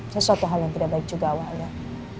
sesuatu hal yang tidak baik juga pak amar